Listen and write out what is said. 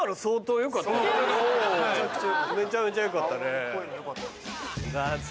めちゃめちゃ良かったね。